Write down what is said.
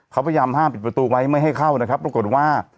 เขาพยายามห้ามปิดประตูไว้ไม่ให้เข้านะครับปรากฏว่า